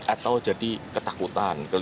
atau jadi ketakutan